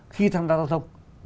khi tham gia giao thông